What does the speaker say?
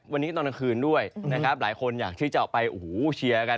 วันนี้ตอนกลางคืนด้วยนะครับหลายคนอยากที่จะออกไปโอ้โหเชียร์กัน